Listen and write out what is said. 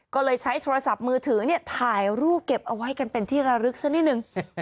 ก็เลยใช้โทรศัพท์มือถือถ่ายรูปเก็บเอาไว้กันเป็นที่ระลึกสักนิดนึง